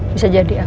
bisa jadi al